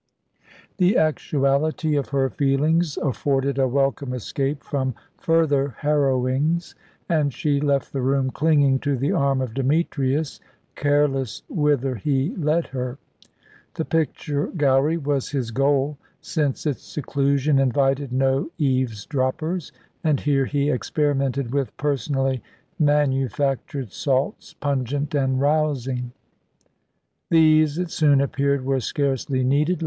The actuality of her feelings afforded a welcome escape from further harrowings; and she left the room, clinging to the arm of Demetrius, careless whither he led her. The picture gallery was his goal, since its seclusion invited no eavesdroppers, and here he experimented with personally manufactured salts, pungent and rousing. These, it soon appeared, were scarcely needed.